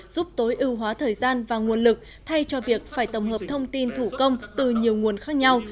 giúp tối ưu hóa thời gian và nguồn lực thay cho việc phải tổng hợp thông tin thủ công từ nhiều nguồn khác nhau